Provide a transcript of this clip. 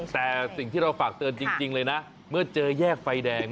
แต่สิ่งที่เราฝากเตือนจริงเลยนะเมื่อเจอแยกไฟแดง